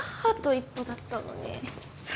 一歩だったのに。